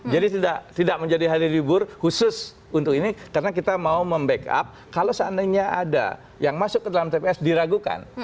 jadi tidak menjadi hari libur khusus untuk ini karena kita mau membackup kalau seandainya ada yang masuk ke dalam tps diragukan